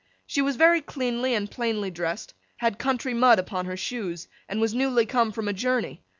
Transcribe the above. She was very cleanly and plainly dressed, had country mud upon her shoes, and was newly come from a journey.